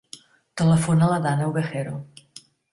Telefona a la Dana Ovejero.